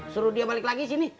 suruh dia balik lagi sini